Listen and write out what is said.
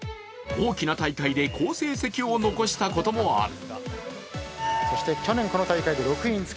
大きな大会で好成績を残したこともある。